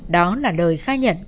đó là lời khai nhận